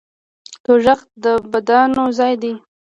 دوزخ د بدانو ځای دی